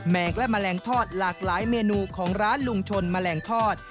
งและแมลงทอดหลากหลายเมนูของร้านลุงชนแมลงทอด